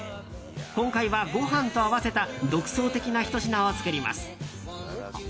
今回は、ご飯と合わせた独創的なひと品を作ります。